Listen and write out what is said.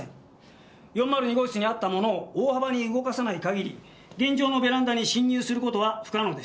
４０２号室にあったものを大幅に動かさない限り現場のベランダに侵入する事は不可能です。